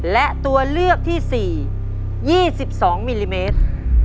และตัวเลือกที่๔๒๒มิลลิเมตร